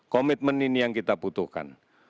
komitmen ini yang kita butuhkan